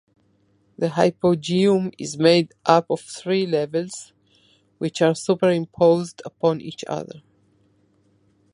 The Hypogeum is made up of three levels, which are superimposed upon each other.